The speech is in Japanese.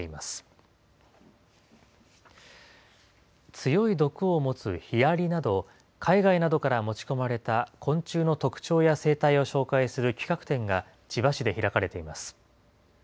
強い毒を持つヒアリなど、海外などから持ち込まれた昆虫の特徴や生態を紹介する企画展が千葉市で開かれています。